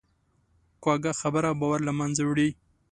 کوږه خبره باور له منځه وړي